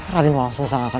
raden walang sengsang akan